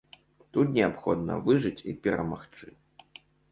Тут неабходна выжыць і перамагчы.